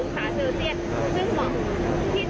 และก็จะใช้เทคโนโลยีพิเศษในการควบคุมของบริษัท